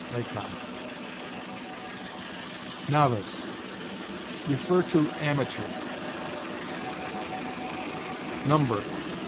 Lacon. NOVICE. See AMATEUR. NUMBER.